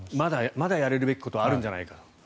まだやれるべきことはあるんじゃないかと。